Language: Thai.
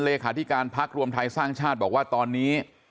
ะเลยค่ะที่การพักรวมทัยสร้างชาติบอกว่าตอนนี้